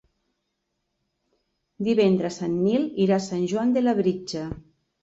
Divendres en Nil irà a Sant Joan de Labritja.